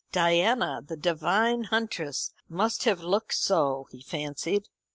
Diana, the divine huntress, must have looked so, he fancied.